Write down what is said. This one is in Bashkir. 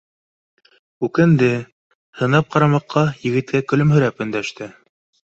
Үкенде, һынап ҡара маҡҡа, егеткә көлөмһөрәп өндәште